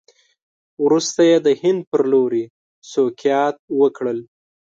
وروسته یې د هند په لوري سوقیات وکړل.